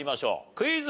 クイズ。